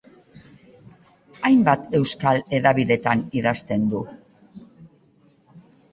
Hainbat euskal hedabidetan idazten du.